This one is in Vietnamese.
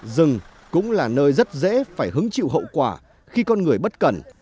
rừng cũng là nơi rất dễ phải hứng chịu hậu quả khi con người bất cần